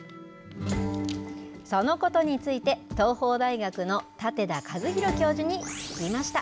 そのことについて東邦大学の舘田一博教授に聞きました。